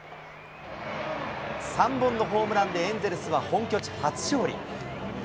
３本のホームランでエンゼルスは本拠地初勝利。